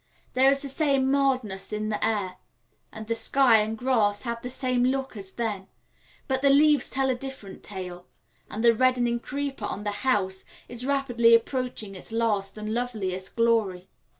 There is the same mildness in the air, and the sky and grass have the same look as then; but the leaves tell a different tale, and the reddening creeper on the house is rapidly approaching its last and loveliest glory.